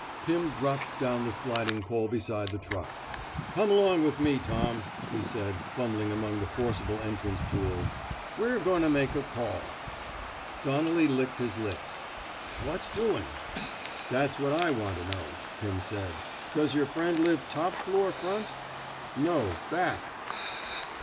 '' Pim dropped down the sliding pole beside the truck. Come along with me, Tom," he said, fumbling among the forcible entrance tools. We're goin' to make a call." Donnelly licked his lips. What's doin'l "That's what / want to know," Pim said. Does yer friend live top floor front! " ^*No; back."